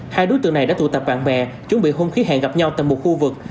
hai đối tượng này đã tụ tập bạn bè chuẩn bị hung khí hẹn gặp nhau tại một khu vực